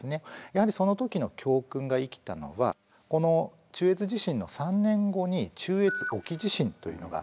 やはりその時の教訓が生きたのはこの中越地震の３年後に中越沖地震というのがありました。